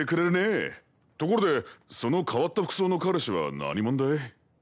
ところでその変わった服装の彼氏は何者だい？